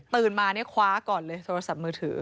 มาเนี่ยคว้าก่อนเลยโทรศัพท์มือถือ